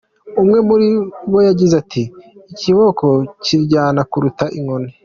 Umwe muri bo yagize ati “Ikiboko kiraryana kuruta inkoni.